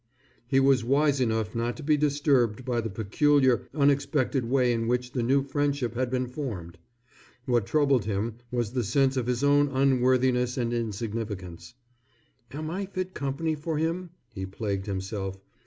He was wise enough not to be disturbed by the peculiar, unexpected way in which the new friendship had been formed. What troubled him was the sense of his own unworthiness and insignificance. "Am I fit company for him?" he plagued himself.